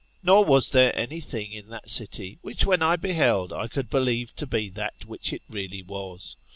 Nor was there anything in that city which, when I beheld, I could believe to be that which it really was.